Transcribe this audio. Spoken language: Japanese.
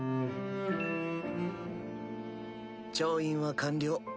調印は完了。